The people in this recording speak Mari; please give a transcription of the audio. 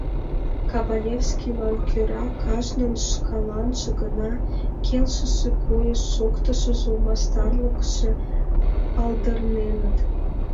Кабалевскийлан кӧра кажнын шкаланже гына келшыше койыш-шоктышыжо, мастарлыкше палдырненыт.